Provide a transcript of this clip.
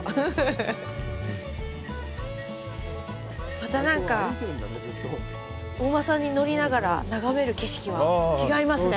またなんか、お馬さんに乗りながら眺める景色は違いますね。